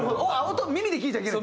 音を耳で聴いちゃいけない。